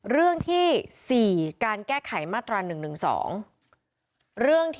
เรื่องที่๔การแก้ไขมาตรรณ๑๑๒